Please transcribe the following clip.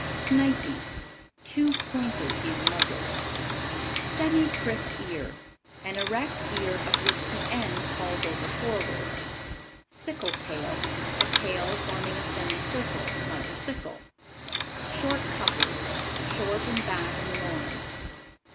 Snipy. Too pointed in muzzle. Semi prick Ear. An erect ear of which the end falls over forward. Sickle tail. A tail forming a semicircle, like a sickle. Short coupled. Short in back and loins.